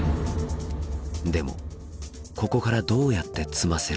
でもここからどうやって詰ませるのか。